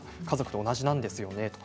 家族と同じなんですよね。